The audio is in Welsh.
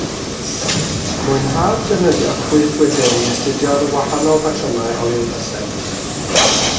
Mwynhaodd defnyddio chwyddwydr i astudio'r wahanol batrymau olion bysedd